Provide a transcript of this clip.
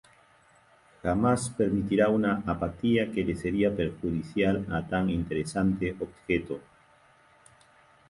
Jamás permitirá una apatía que le seria perjudicial a tan interesante objeto.